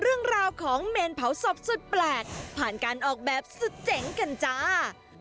เรื่องราวของเมนเผาศพสุดแปลกผ่านการออกแบบสุดเจ๋งกันจ้า